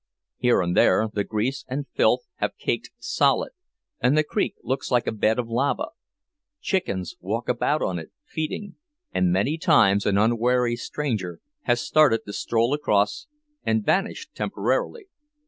Here and there the grease and filth have caked solid, and the creek looks like a bed of lava; chickens walk about on it, feeding, and many times an unwary stranger has started to stroll across, and vanished temporarily.